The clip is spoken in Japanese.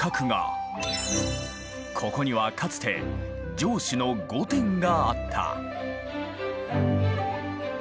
ここにはかつて城主の御殿があった。